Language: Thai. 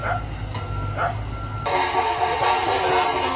หรือว่าเกิดอะไรขึ้น